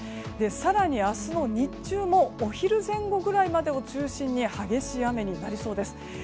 更に明日の日中もお昼前後ぐらいまでを中心に激しい雨になりそうです。